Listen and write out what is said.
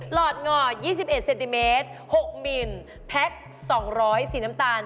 หอดง่อ๒๑เซนติเมตร๖มิลแพ็ค๒๐๐สีน้ำตาล